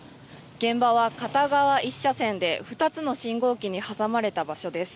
現場は片側１車線で２つの信号機に挟まれた場所です。